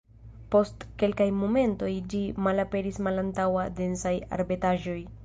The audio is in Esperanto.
Post kelkaj momentoj ĝi malaperis malantaŭ densaj arbetaĵoj.